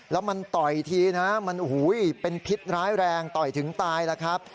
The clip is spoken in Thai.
แล้วมันต่อยทีนะมันเป็นพิษร้ายแรงต่อยถึงตายแล้วครับ